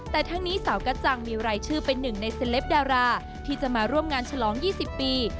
แต่ทั้งนี้สาวกระจังมีรายชื่อเป็นหนึ่งในเซลปดาราที่จะมาร่วมงานฉลอง๒๐ปี